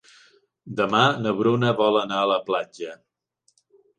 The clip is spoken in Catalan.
Demà na Bruna vol anar a la platja.